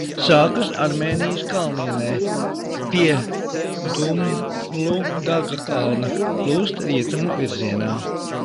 Sākas Armēnijas kalnienē pie Dumludaga kalna, plūst rietumu virzienā.